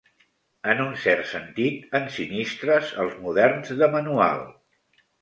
En un cert sentit, ensinistres els moderns de manual.